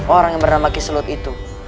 orang yang bernama kisulut itu